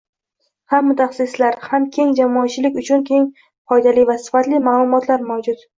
Ham mutaxassislar, ham keng jamoatchilik uchun juda foydali va sifatli ma'lumotlar mavjud